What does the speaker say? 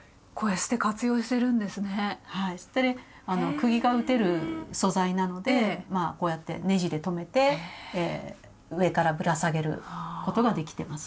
くぎが打てる素材なのでまあこうやってねじで留めて上からぶら下げることができてます。